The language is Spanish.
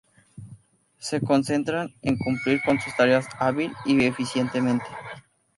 Se concentran en cumplir con sus tareas hábil y eficientemente.